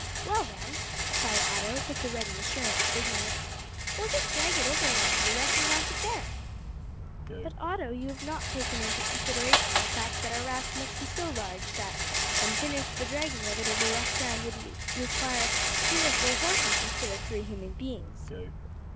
"Well, then," cried Otto, with the ready assurance of ignorance, "we'll just drag it overland to the wreck, and launch it there." "But, Otto, you have not taken into consideration the fact that our raft must be so large that, when finished, the dragging of it over rough ground would require three or four horses instead of three human beings."